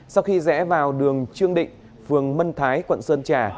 sau khi rẽ vào đường trương định phường mân thái quận sơn trà